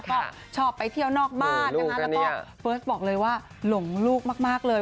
ก็ชอบไปเที่ยวนอกบ้านนะคะแล้วก็เฟิร์สบอกเลยว่าหลงลูกมากเลย